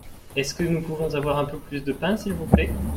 Est-ce que nous pouvons avoir un peu plus de pain s’il vous plait ?